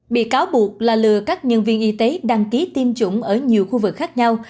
bị cáo buộc là lừa các nhân viên y tế đăng ký tiêm chủng ở nhiều khu vực khác nhau